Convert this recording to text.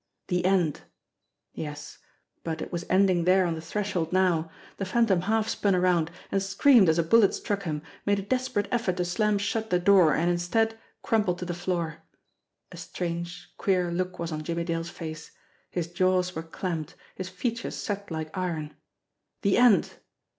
The end ! Yes but it was ending there on the threshold now. The Phantom half spun around, and screamed as a bullet struck him, made a desperate effort to slam shut the door and, instead, crumpled to the floor. A strange, queer look was on Jimmie Dale's face. His jaws were clamped, his features set like iron. The end!